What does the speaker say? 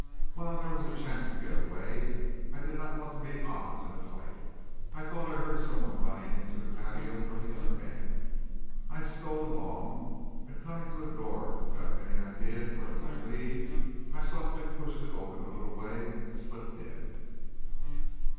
While there was a chance to get away I did not want to meet odds in a fight. I thought I heard some one running into the patio from the other end. I stole along, and coming to a door, without any idea of where it might lead, I softly pushed it open a little way and slipped in.